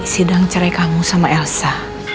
sidang cerai kamu sama elsa